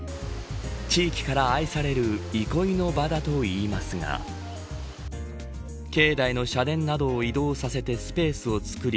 地域から愛される憩いの場だといいますが境内の社殿などを移動させてスペースを作り